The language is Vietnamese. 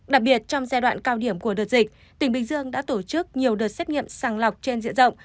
đặc biệt trong giai đoạn cao điểm của đợt dịch tỉnh bình dương đã tổ chức nhiều đợt xét nghiệm sàng lọc trên diện rộng